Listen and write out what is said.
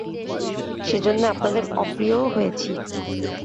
সেজন্যে আপনাদের অপ্রিয়ও হয়েছি।